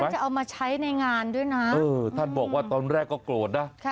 จะเอามาใช้ในงานด้วยนะเออท่านบอกว่าตอนแรกก็โกรธนะ